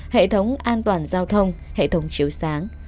hệ thống an toàn giao thông hệ thống chiếu sáng